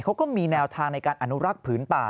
เขาก็มีแนวทางในการอนุรักษ์ผืนป่า